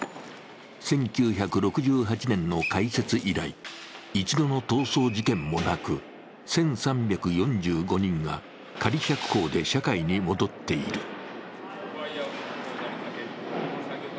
１９６８年の開設以来、一度の逃走事件もなく、１３４５人が仮釈放で社会に戻っている。